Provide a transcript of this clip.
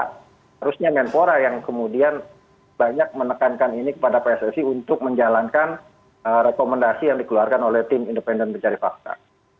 harusnya menpora yang kemudian banyak menekankan ini kepada pssi untuk menjalankan rekomendasi yang dikeluarkan oleh tim independen mencari fakta